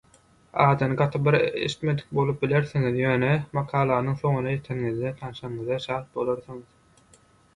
Adyny gaty bir eşitmedik bolup bilersiňiz, ýöne makalanyň soňuna ýeteniňizde tanyşanyňyza şat bolarsyňyz.